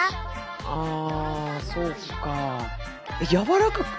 あそうか。